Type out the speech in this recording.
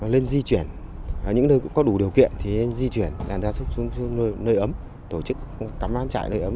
lên di chuyển ở những nơi có đủ điều kiện thì di chuyển làm gia súc xuống nơi ấm tổ chức tắm ăn chạy nơi ấm